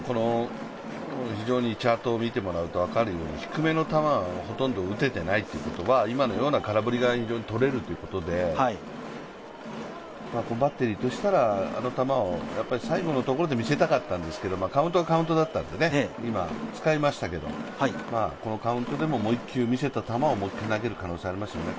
チャートを見てもらうと分かるように低めの球はほとんど打てていないということは今のような空振りが非常にとれるということで、バッテリーとしたら、あの球を最後のところで見せたかったんですがカウントはカウントだったので今使いましたけどこのカウントでももう１球、見せた球を投げる可能性ありますよね。